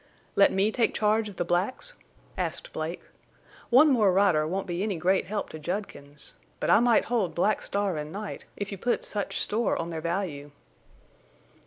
"Let me take charge of the blacks?" asked Blake. "One more rider won't be any great help to Judkins. But I might hold Black Star and Night, if you put such store on their value."